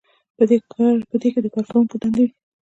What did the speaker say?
په دې کې د کارکوونکي دندې وي.